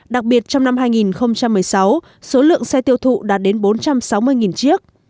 đặc biệt trong năm hai nghìn một mươi sáu số lượng xe tiêu thụ đạt đến bốn trăm sáu mươi chiếc